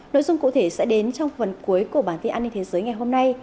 nội dung cụ thể sẽ đến trong phần cuối của bản tin an ninh thế giới ngày hôm nay